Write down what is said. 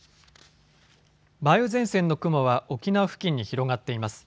梅雨前線の雲は沖縄付近に広がっています。